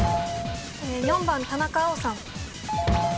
４番田中碧さん。